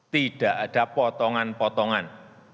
tidak ada potongan potongan